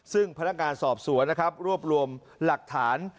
ซึ่งพนักงานสอบสวนนะครับรวบรวมหลักฐาน